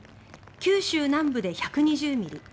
九州南部で１２０ミリ